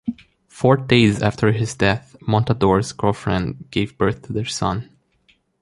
Four days after his death, Montador's girlfriend gave birth to their son.